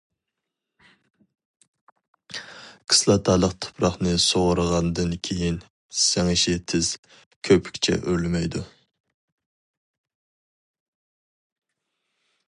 كىسلاتالىق تۇپراقنى سۇغۇرغاندىن كېيىن سىڭىشى تېز، كۆپۈكچە ئۆرلىمەيدۇ.